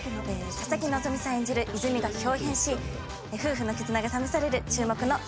佐々木希さん演じる泉が豹変し夫婦の絆が試される注目の第７話になっております。